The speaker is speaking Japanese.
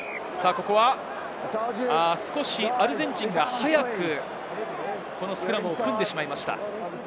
少しアルゼンチンが早くスクラムを組んでしまいました。